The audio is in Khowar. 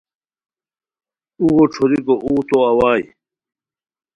اوغو ݯھوریکو اوغ تو اوائے